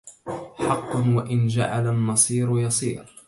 حق وإن جعل النصيح يصيح